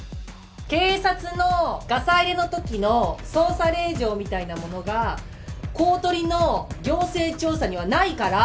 警察のガサ入れのときの捜査令状みたいなものが公取の行政調査にはないから！